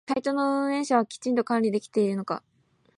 サイトの運営者はきちんと管理できているのか？